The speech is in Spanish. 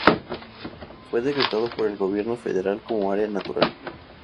Fue decretado por el gobierno federal como área natural.